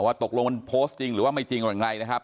ว่าตกลงมันโพสต์จริงหรือว่าไม่จริงหรือเป็นไงนะครับ